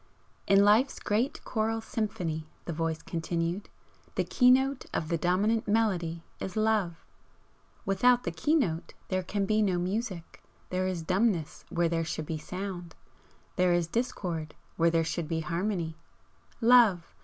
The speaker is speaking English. "In Life's great choral symphony" the Voice continued "the keynote of the dominant melody is Love! Without the keynote there can be no music, there is dumbness where there should be sound, there is discord where there should be harmony. Love!